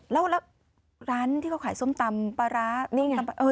แล้วร้านที่เขาขายส้มตำปลาร้านี่ไง